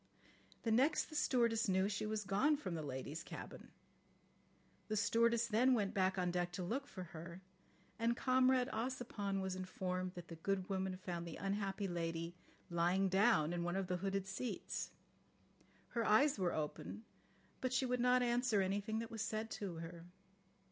The next the stewardess knew she was gone from the ladies' cabin. The stewardess then went on deck to look for her, and Comrade Ossipon was informed that the good woman found the unhappy lady lying down in one of the hooded seats. Her eyes were open, but she would not answer anything that was said to her.